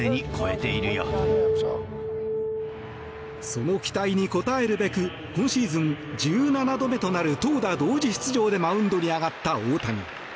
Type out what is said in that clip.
その期待に応えるべく今シーズン１７度目となる投打同時出場でマウンドに上がった大谷。